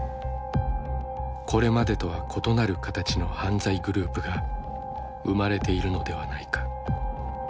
これまでとは異なる形の犯罪グループが生まれているのではないか。